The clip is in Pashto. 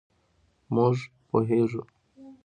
مونږ پوهیږو